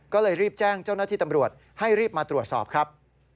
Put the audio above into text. ก็เลยรีบแจ้งเจ้าหน้าที่ตำรวจให้รีบมาตรวจสอบครับ